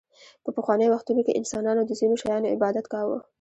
په پخوانیو وختونو کې انسانانو د ځینو شیانو عبادت کاوه